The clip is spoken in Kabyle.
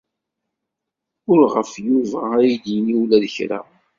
Ur ɣef Yuba ad d-yini ula d kra.